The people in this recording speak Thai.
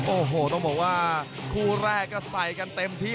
โอ้โหต้องบอกว่าคู่แรกก็ใส่กันเต็มที่